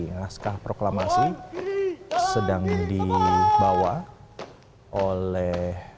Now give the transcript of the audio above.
naskah proklamasi sedang dibawa oleh